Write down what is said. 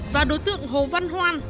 và đối tượng hồ văn hoan